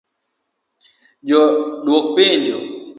Ja dwok penjo: